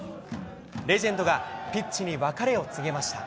レジェンドがピッチに別れを告げました。